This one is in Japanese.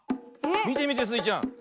みてみてスイちゃん。